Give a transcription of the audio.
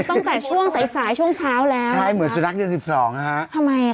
ตั้งแต่ช่วงสายสายช่วงเช้าแล้วใช่เหมือนสุนัขเย็นสิบสองนะฮะทำไมอ่ะ